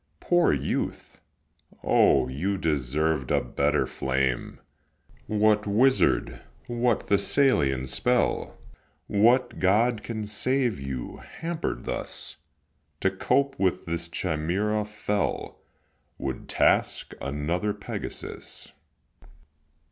Poor youth! O, you deserved a better flame! What wizard, what Thessalian spell, What god can save you, hamper'd thus? To cope with this Chimaera fell Would task another Pegasus.